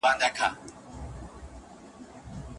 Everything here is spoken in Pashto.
ستا بچیان هم زموږ په څېر دي نازولي؟